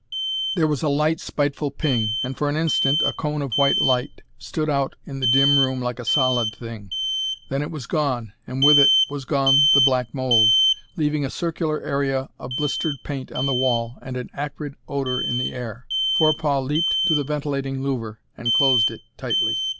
There was a light, spiteful "ping" and for an instant a cone of white light stood out in the dim room like a solid thing. Then it was gone, and with it was gone the black mold, leaving a circular area of blistered paint on the wall and an acrid odor in the air. Forepaugh leaped to the ventilating louver and closed it tightly.